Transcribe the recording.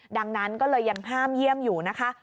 ดังนั้นก็เลยยังห้ามเยี่ยมอยู่นะคะ